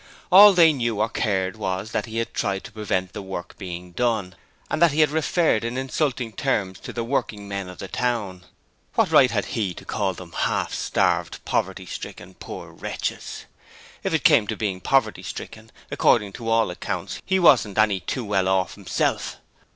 All they knew or cared was that he had tried to prevent the work being done, and that he had referred in insulting terms to the working men of the town. What right had he to call them half starved, poverty stricken, poor wretches? If it came to being poverty stricken, according to all accounts, he wasn't any too well orf hisself.